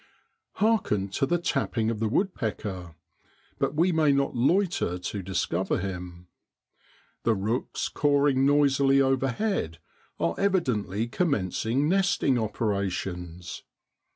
Hearken to the tapping of the woodpecker; but we may not loiter to discover him. The rooks cawing noisily overhead are evidently commencing nesting operations.